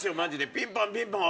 ピンポンピンポン